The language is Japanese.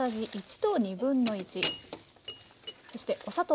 そしてお砂糖。